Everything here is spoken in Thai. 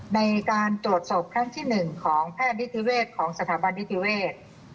ในการจวดศพครั้งที่๑ของแพทย์ดิทธิเวทย์ของสถาบันดิทธิเวทย์